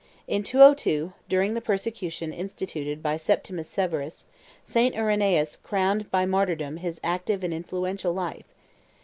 In 202, during the persecution instituted by Septimius Severus, St. Irenaeus crowned by martyrdom his active and influential life.